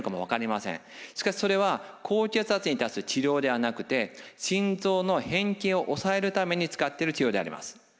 しかしそれは高血圧に対する治療ではなくて心臓の変形を抑えるために使っている治療であります。